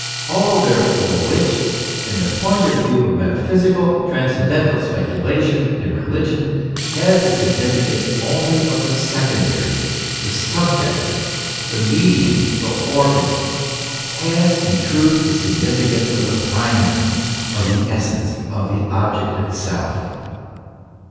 * All therefore which, in the point of view of metaphysical, transcendental speculation and religion, has the significance only of the secondary, the subjective, the medium, the organ, has in truth the significance of the primary, of the essence, of the object itself.